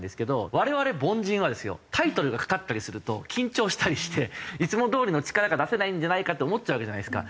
我々凡人はですよタイトルがかかったりすると緊張したりしていつもどおりの力が出せないんじゃないかって思っちゃうわけじゃないですか。